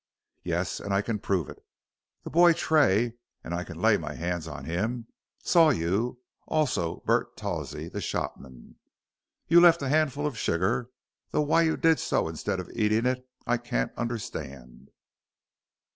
"Yes, and I can prove it. The boy Tray and I can lay my hands on him saw you, also Bart Tawsey, the shopman. You left a handful of sugar, though why you did so instead of eating it, I can't understand."